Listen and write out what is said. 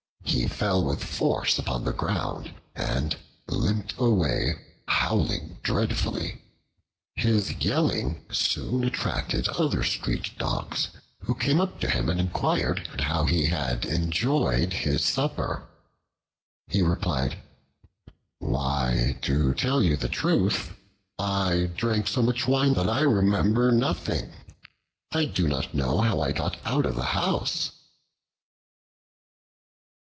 He fell with force upon the ground and limped away, howling dreadfully. His yelling soon attracted other street dogs, who came up to him and inquired how he had enjoyed his supper. He replied, "Why, to tell you the truth, I drank so much wine that I remember nothing. I do not know how I got out of the house."